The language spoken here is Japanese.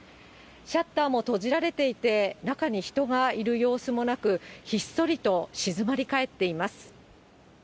シャッターも閉じられていて、中に人がいる様子もなく、ひっそりと静まり返っています。